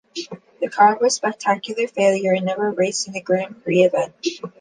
The car was a spectacular failure and never raced in a Grand Prix event.